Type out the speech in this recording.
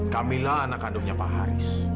kamilah anak kandungnya pak haris